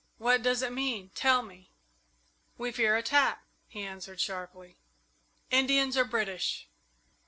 What does it mean? Tell me!" "We fear attack," he answered sharply. "Indians or British?"